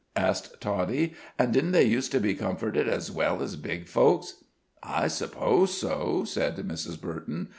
asked Toddie, "an' didn't they used to be comforted as well as big folks?" "I suppose so," said Mrs. Burton.